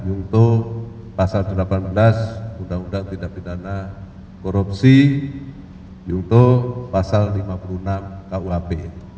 yungto pasal delapan belas undang undang tidak pidana korupsi yungto pasal lima puluh enam kuhp